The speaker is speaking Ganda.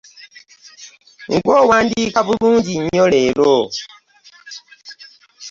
Nga owandika bulungi nnyo leero.